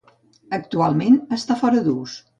Actualment està fora d'ús.